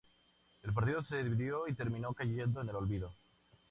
El partido se dividió y terminó cayendo en el olvido.